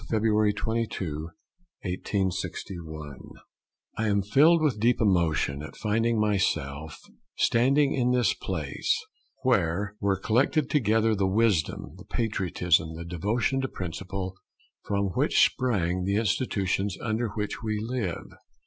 February 22, 1861 I am filled with deep emotion at finding myself standing in this place, where were collected together the wisdom, the patriotism, the devotion to principle, from which sprang the institutions under which we live.